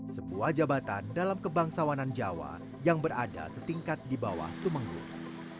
sebuah jabatan dalam kebangsawanan jawa yang berada setingkat di bawah tumenggung